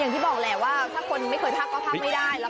อย่างที่บอกแหละว่าถ้าคนไม่เคยพักก็พักไม่ได้